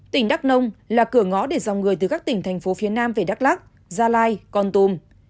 tỉnh đắk nông là cửa ngõ để dòng người từ các tỉnh thành phố phía nam về đắk lắc gia lai con tùm